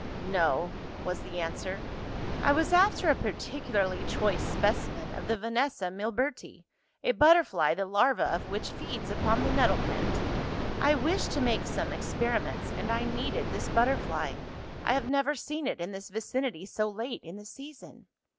"No," was the answer. "I was after a particularly choice specimen of the Vanessa milberti, a butterfly the larva of which feeds upon the nettle plant. I wished to make some experiments, and I needed this butterfly. I have never seen it in this vicinity so late in the season."